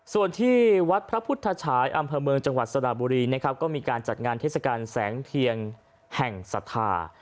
ส่วนที่วัดพระพุทธชายอำเภอเมืองจังหวัดสระบุรีนะครับก็มีการจัดงานเทศกาลแสงเทียนแห่งศรัทธา